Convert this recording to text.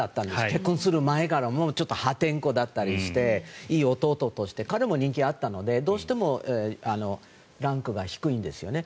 結婚する前から破天荒だったりしていい弟として彼も人気があったのでどうしてもランクが低いんですよね。